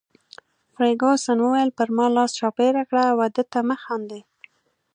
فرګوسن وویل: پر ما لاس چاپیره کړه، وه ده ته مه خاندي.